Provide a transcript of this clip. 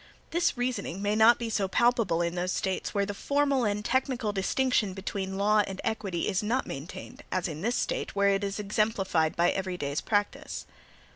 This reasoning may not be so palpable in those States where the formal and technical distinction between LAW and EQUITY is not maintained, as in this State, where it is exemplified by every day's practice.